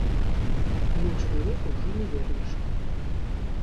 Але чалавека ўжо не вернеш.